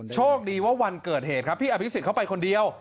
โชคดีว่าวันเกิดเหตุครับพี่อภิษฎเข้าไปคนเดียว